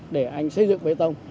để anh xây dựng bê tông